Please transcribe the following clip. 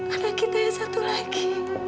anak kita yang satu lagi